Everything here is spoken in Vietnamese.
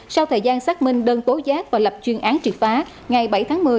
sau thời gian xác minh đơn tố giác và lập chuyên án triệt phá ngày bảy tháng một mươi